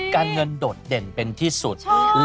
การเงินโดดเด่นเป็นที่สุด